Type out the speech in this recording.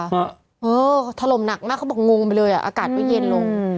เออถล่มหนักมากเขาบอกงงไปเลยอ่ะอากาศก็เย็นลง